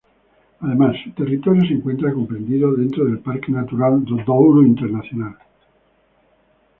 Además, su territorio se encuentra comprendido dentro del Parque Natural do Douro Internacional.